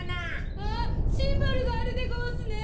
あっシンバルがあるでごわすね。